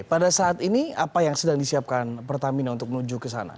pada saat ini apa yang sedang disiapkan pertamina untuk menuju ke sana